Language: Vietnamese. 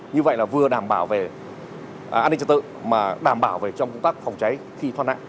như vậy là vừa đảm bảo về an ninh trật tự mà đảm bảo về trong công tác phòng cháy khi thoát nạn